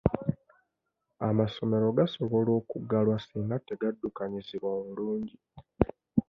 Amasomero gasobola okuggalwa singa tegaddukanyizibwa bulungi.